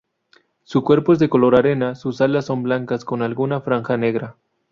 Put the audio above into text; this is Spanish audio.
Su cuerpo es color arena, sus alas son blancas con alguna franja negra.